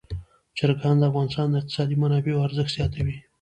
چرګان د افغانستان د اقتصادي منابعو ارزښت زیاتوي.